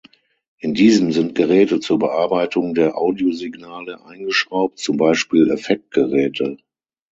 In diesem sind Geräte zur Bearbeitung der Audiosignale eingeschraubt, zum Beispiel Effektgeräte.